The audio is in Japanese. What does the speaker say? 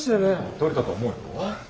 撮れたと思うよ。